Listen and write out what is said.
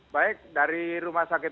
baik dari rumah sakit